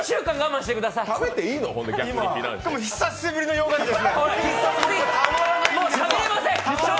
久しぶりの洋菓子です。